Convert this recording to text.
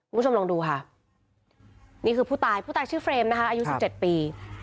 คุณผู้ชมลองดูค่ะนี่คือผู้ตายผู้ตายชื่อเฟรมนะคะอายุ๑๗ปี